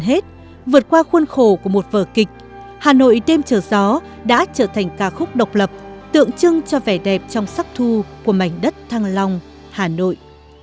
hà nội đêm trở gió đã trở thành ca khúc độc lập tượng trưng cho vẻ đẹp trong sắc thu của mảnh đất thăng long hà nội